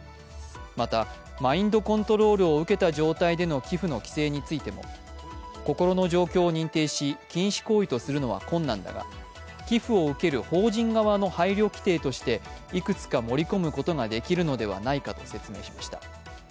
またマインドコントロールを受けた状態での寄付の規制についても心の状況を認定し、禁止行為とするのは困難だが、寄付を受ける法人側の配慮規定としていくつか盛り込むことができるのではないかと説明しました。